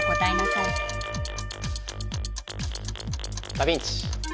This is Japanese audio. ダビンチ。